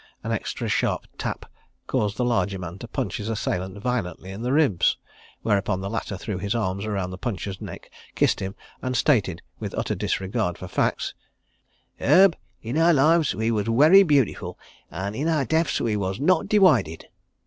An extra sharp tap caused the larger man to punch his assailant violently in the ribs, whereupon the latter threw his arms round the puncher's neck, kissed him, and stated, with utter disregard for facts: "'Erb! In our lives we was werry beautiful, an' in our deafs we wos not diwided."